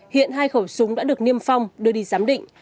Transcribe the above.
hiện hai khẩu súng đã được niêm phong đưa đi giám định